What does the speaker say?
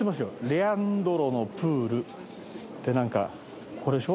「レアンドロのプール」ってなんかこれでしょ？